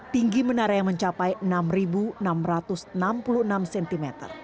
tinggi menara yang mencapai enam enam ratus enam puluh enam cm